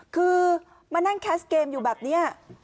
คือมานั่งแคสเกมอยู่แบบนี้